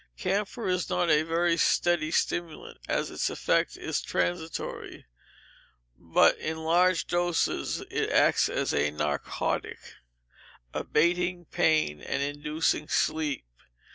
Camphor is not a very steady stimulant, as its effect is transitory; but in large doses it acts as a narcotic, abating pain and inducing sleep.